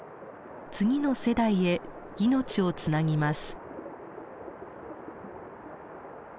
次の世代へ命をつなぎます。